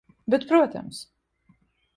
Bet protams.